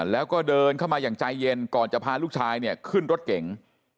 แล้วก็เดินเข้ามาอย่างใจเย็นก่อนจะพาลูกชายเนี่ยขึ้นรถเก๋ง